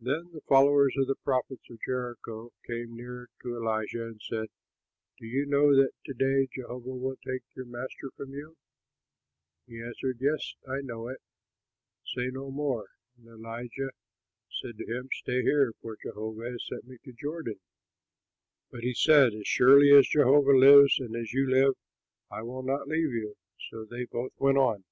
Then the followers of the prophets at Jericho came near to Elisha and said, "Do you know that to day Jehovah will take your master from you?" He answered, "Yes, I know it; say no more." And Elijah said to him, "Stay here, for Jehovah has sent me to the Jordan." But he said, "As surely as Jehovah lives and as you live, I will not leave you." So they both went on.